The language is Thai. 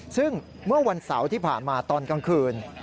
ซึ่งเมื่อวันเสาร์ที่ผ่านมาตอนกลางคืน